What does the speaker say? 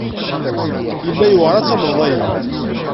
Yella yewɛeṛ ad tamneḍ aya.